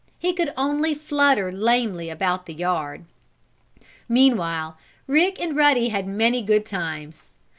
He could only flutter lamely about the yard. Meanwhile Rick and Ruddy had many good times.